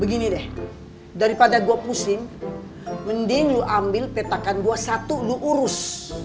begini deh daripada gue pusing mending lu ambil petakan dua satu lu urus